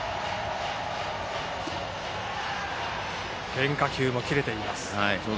変化球も切れています。